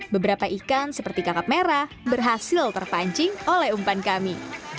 beberapa ikan seperti kakap merah berhasil terpancing oleh umpan kami